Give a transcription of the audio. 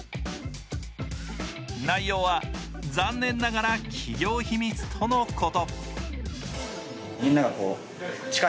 内容は残念ながら企業秘密とのこと。